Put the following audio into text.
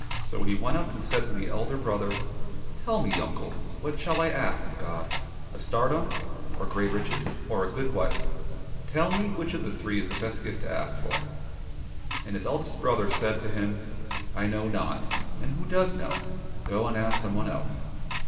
So he went up and said to the elder brother, " Tell me, uncle, what shall I ask of God ? A tsardom, or great riches, or a good wife ? Tell me, which of the three is the best gift to ask for }"— ^And his eldest brother said to him, '' I know not, and who does know ? Go and ask some one else."